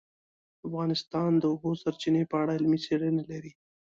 افغانستان د د اوبو سرچینې په اړه علمي څېړنې لري.